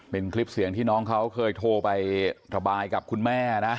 เป็นคลิปเสียงที่น้องเขาเคยโทรไประบายกับคุณแม่นะ